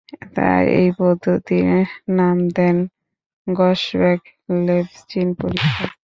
তার এই পদ্ধতির নাম দেন গসব্যাক-লেভচিন পরীক্ষা।